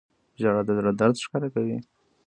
• ژړا د زړه درد ښکاره کوي.